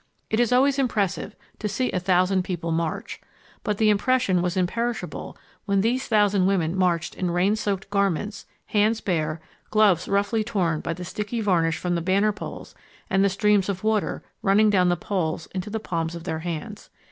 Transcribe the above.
It is always impressive to see a thousand people march, but the impression was imperishable when these thousand women marched in rain soaked garments, hands bare, gloves roughly torn by the sticky varnish from the banner poles and the streams of water running down the poles into the palms of their hands.